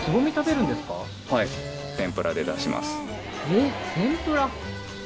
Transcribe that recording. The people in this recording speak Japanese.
えっ天ぷら？